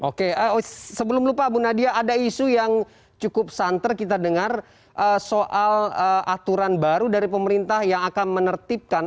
oke sebelum lupa bu nadia ada isu yang cukup santer kita dengar soal aturan baru dari pemerintah yang akan menertibkan